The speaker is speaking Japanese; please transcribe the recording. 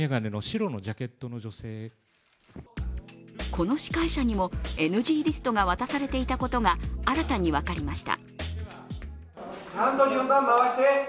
この司会者にもＮＧリストが渡されていたことが新たに分かりました。